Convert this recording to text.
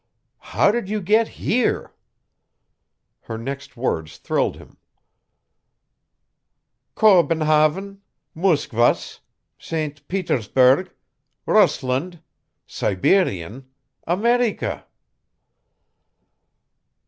"How did you get HERE?" Her next words thrilled him. "Kobenhavn Muskvas St. Petersburg Rusland Sibirien Amerika."